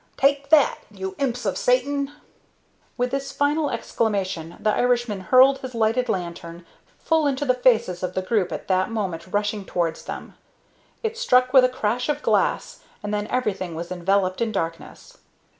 Take that, you imps of Satan!" With this final exclamation, the Irishman hurled his lighted lantern full into the faces of the group at that moment rushing towards them. It struck with a crash of glass, and then everything was enveloped in darkness.